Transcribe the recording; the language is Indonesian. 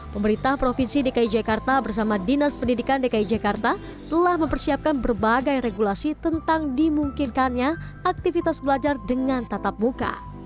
pemerintah provinsi dki jakarta bersama dinas pendidikan dki jakarta telah mempersiapkan berbagai regulasi tentang dimungkinkannya aktivitas belajar dengan tatap muka